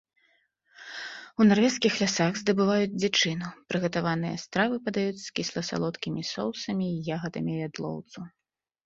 У нарвежскіх лясах здабываюць дзічыну, прыгатаваныя стравы падаюць з кісла-салодкімі соусамі і ягадамі ядлоўцу.